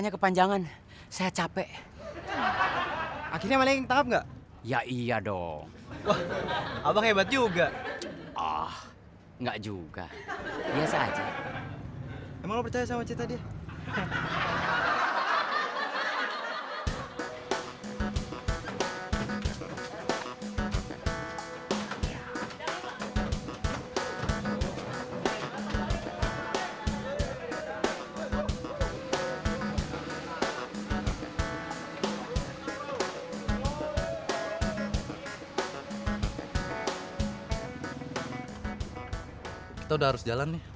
kita udah harus jalan nih